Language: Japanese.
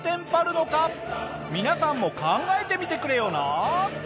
皆さんも考えてみてくれよな。